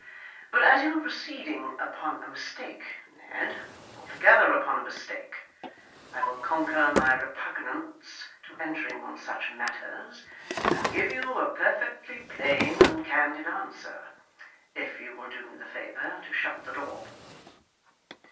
But as you are proceeding upon a mistake, Ned altogether upon a mistake I will conquer my repugnance to entering on such matters, and give you a perfectly plain and candid answer, if you will do me the favour to shut the door.